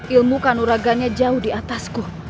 ilmu kanuraganya jauh di atasku